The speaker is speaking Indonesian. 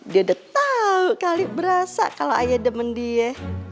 dia udah tau kali berasa kalau ayo demen dia